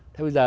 thế bây giờ